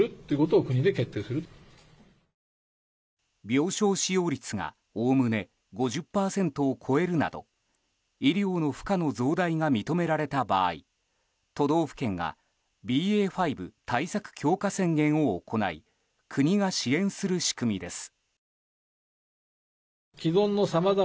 病床使用率が概ね５０％を超えるなど医療の負荷の増大が認められた場合都道府県がＢＡ．５対策強化宣言を行い国が支援する仕組みです。